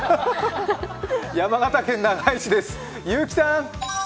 山形県長井市です。